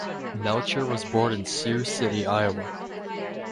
Melcher was born in Sioux City, Iowa.